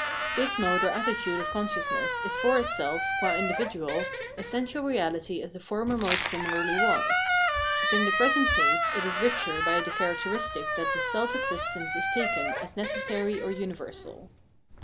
This mode or attitude of consciousness is for itself, qua individual, essential reality as the former mode similarly was ; but in the present case it is richer by the characteristic that this self existence is taken as necessary or universal.